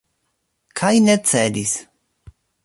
Kaj ne cedis.